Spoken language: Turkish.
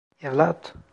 Evlat!